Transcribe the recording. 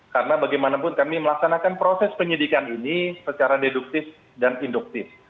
karena bagaimanapun kami melaksanakan proses penyidikan ini secara deduktif dan induktif